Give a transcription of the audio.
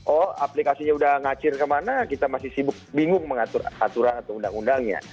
oh aplikasinya udah ngacir kemana kita masih sibuk bingung mengatur aturan atau undang undangnya